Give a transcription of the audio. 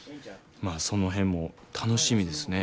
まあその辺も楽しみですね。